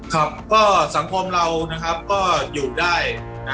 ครับก็สังคมเราก็อยู่ได้